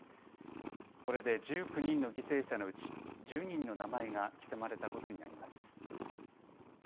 これで１９人の犠牲者のうち１０人の名前が刻まれたことになります。